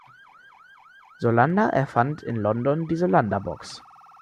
Solander erfand in London die Solander-Box.